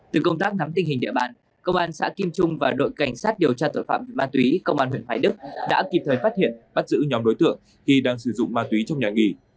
từ công tác nắm tình hình địa bàn công an xã kim trung và đội cảnh sát điều tra tội phạm ma túy công an huyện hoài đức đã kịp thời phát hiện bắt giữ nhóm đối tượng khi đang sử dụng ma túy trong nhà nghỉ